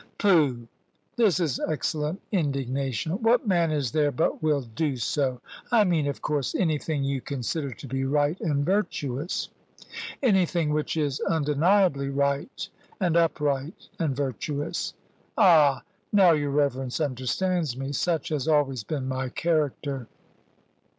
"Pooh! This is excellent indignation. What man is there but will do so? I mean, of course, anything you consider to be right and virtuous." "Anything which is undeniably right, and upright, and virtuous. Ah! now your reverence understands me. Such has always been my character."